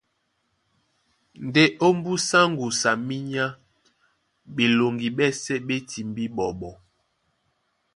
Ndé ómbúsá ŋgusu a minyá ɓeloŋgi ɓɛ́sɛ̄ ɓé timbí ɓɔɓɔ.